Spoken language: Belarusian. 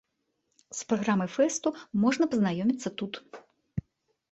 З праграмай фэсту можна пазнаёміцца тут.